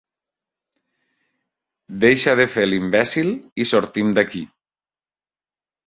Deixa de fer l'imbècil i sortim d'aquí.